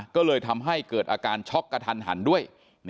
ก็เลยทำให้เกิดอาการช็อกกระทันหันด้วย